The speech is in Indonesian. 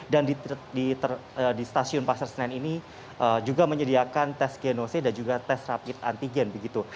dan di stasiun pasar senen ini juga menyediakan tes genose dan juga tes rapid antigen begitu